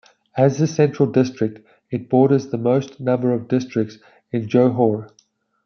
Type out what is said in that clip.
As the central district, it borders the most number of districts in Johor.